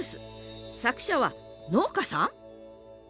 作者は農家さん？